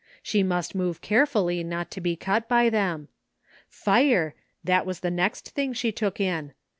She must move carefully not to be cut by them. Fire ! That was the next thing she took in.